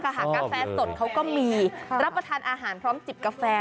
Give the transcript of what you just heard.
หากาแฟสดเขาก็มีรับประทานอาหารพร้อมจิบกาแฟ